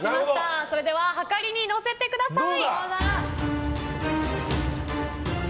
それでははかりに載せてください。